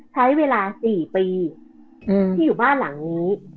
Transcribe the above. ใช้เวลา๔ปีที่อยู่บ้านหลังนี้